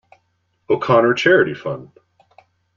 O'Connor charity fund.